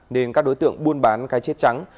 nên các đối tượng buôn bán cái chết trắng